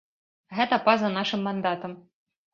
Гэта па-за нашым мандатам.